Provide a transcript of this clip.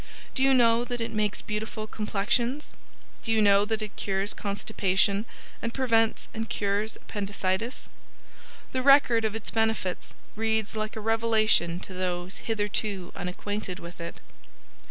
Do you know that it makes beautiful complexions? Do you know it cures constipation and prevents and cures appendicitis? The record of its benefits reads like a revelation to those hitherto unacquainted with it.